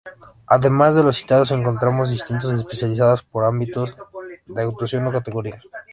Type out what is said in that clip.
Además de los citados, encontramos distintos especializados por ámbitos de actuación o categorías.